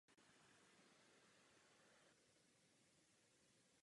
V mládí odešel studovat do Paříže.